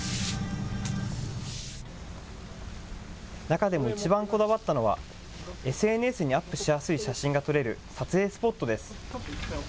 中でも一番こだわったのは、ＳＮＳにアップしやすい写真が撮れる撮影スポットです。